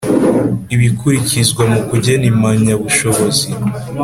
Ibikurikizwa mu kugena Impamyabushobozi